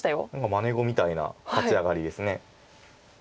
まね碁みたいな立ち上がりです。